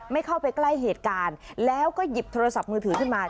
เข้าไปใกล้เหตุการณ์แล้วก็หยิบโทรศัพท์มือถือขึ้นมา